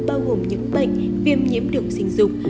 bao gồm những bệnh viêm nhiễm đường sinh dục